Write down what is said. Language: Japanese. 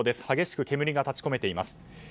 激しく煙が立ち込めています。